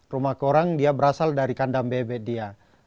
rumah korang dia berasal dari kandang bebek dia